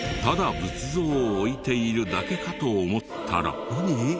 ただ仏像を置いているだけかと思ったら。